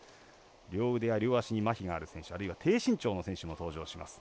両腕や両足にまひがある選手あるいは低身長の選手も登場します。